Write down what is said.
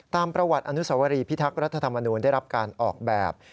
ตามประวัติอนุสวรีพิทักษ์รัฐธรรมนูลได้รับการออกแบบ